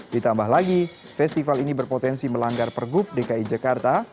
ditambah lagi festival ini berpotensi melanggar pergub dki jakarta